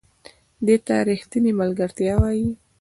دې ته ریښتینې ملګرتیا وایي .